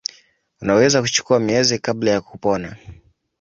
Unaweza kuchukua miezi kabla ya kupona.